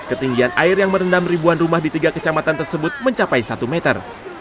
ketinggian air yang merendam ribuan rumah di tiga kecamatan tersebut mencapai satu meter